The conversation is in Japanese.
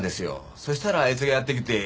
そしたらあいつがやって来て。